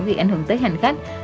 vì ảnh hưởng tới hành khách